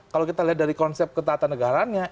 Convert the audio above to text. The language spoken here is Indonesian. kalau kita lihat dari konsep ketatan negaranya